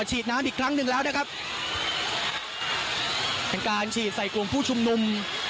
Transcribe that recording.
ฉีดน้ำอีกครั้งหนึ่งแล้วนะครับเป็นการฉีดใส่กลุ่มผู้ชุมนุม